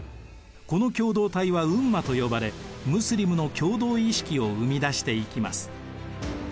この共同体はウンマと呼ばれムスリムの共同意識を生み出していきます。